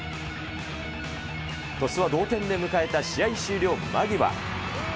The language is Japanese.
鳥栖は同点で迎えた試合終了間際。